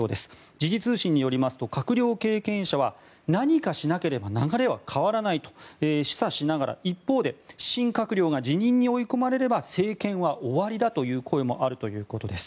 時事通信によりますと閣僚経験者は何かしなければ流れは変わらないと示唆する一方で新閣僚が辞任に追い込まれれば政権は終わりだという声もあるということです。